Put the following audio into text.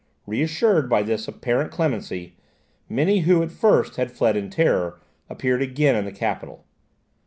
Reassured by this apparent clemency, many who, at first, had fled in terror appeared again in the capital.